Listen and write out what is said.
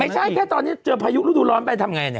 ไม่ใช่แค่ตอนนี้เจอพายุรุ่นร้อนไปทำไงเนี่ย